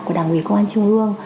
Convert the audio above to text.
của đảng nguyên công an trung ương